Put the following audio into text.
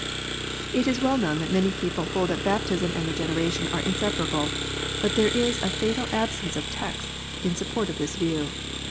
it is well known that many people hold that baptism and Regeneration are inseparable ; but there is a fatal absence of texts in support of this view.